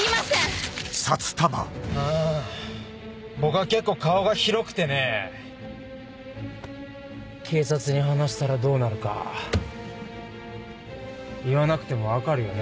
僕は結構顔が広くてねぇ警察に話したらどうなるか言わなくても分かるよね？